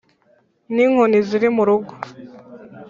ni inkoni ziri mu rugo